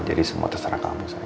jadi semua terserah kamu saya